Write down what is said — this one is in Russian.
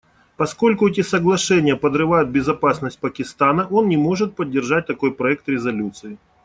Поскольку эти соглашения подрывают безопасность Пакистана, он не может поддержать такой проект резолюции.